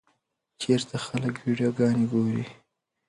چېرته خلک ویډیوګانې ګوري؟